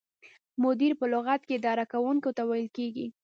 مدیر په لغت کې اداره کوونکي ته ویل کیږي.